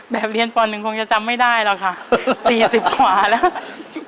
เรียนป๑คงจะจำไม่ได้หรอกค่ะ๔๐กว่าแล้ว